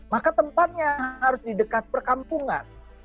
karena tempatnya harus di dekat perkampungan